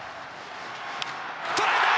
捉えた！